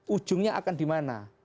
ujungnya akan dimana